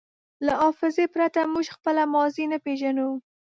له حافظې پرته موږ خپله ماضي نه پېژنو.